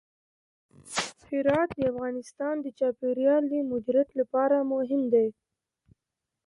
هرات د افغانستان د چاپیریال د مدیریت لپاره مهم دي.